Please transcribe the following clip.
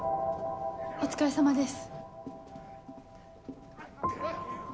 お疲れさまです。